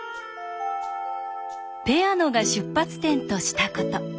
ペアノが出発点としたこと。